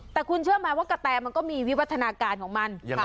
แต่คุณเชื่อไหมว่ากะแตมันก็มีวิวัฒนาการของมันยังไง